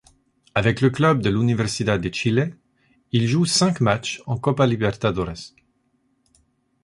Avec le club de l'Universidad de Chile, il joue cinq matchs en Copa Libertadores.